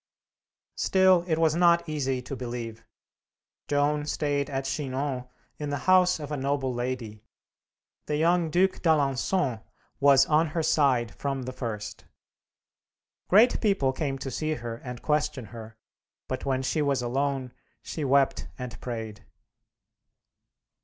Still, it was not easy to believe. Joan stayed at Chinon in the house of a noble lady. The young Duc d'Alençon was on her side from the first. Great people came to see her and question her, but when she was alone, she wept and prayed.